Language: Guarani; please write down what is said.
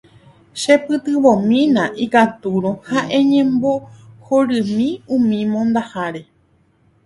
Chepytyvõmína ikatúrõ ha eñembohorymi umi mondaháre.